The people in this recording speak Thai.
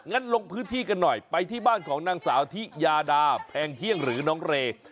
ลงพื้นที่กันหน่อยไปที่บ้านของนางสาวทิยาดาแพงเที่ยงหรือน้องเร